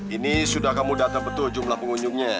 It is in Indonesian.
ini sudah kamu datang betul jumlah pengunjungnya